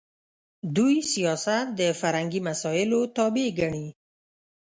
دوی سیاست د فرهنګي مسایلو تابع ګڼي.